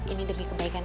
ini lebih kebaikan